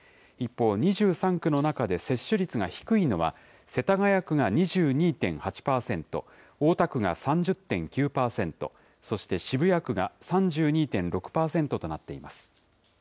一方、２３区の中で接種率が低いのは、世田谷区が２２．８％、大田区が３０．９％、そして渋谷区が３２．６％となっています。